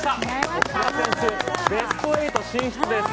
奥原選手、ベスト８進出です！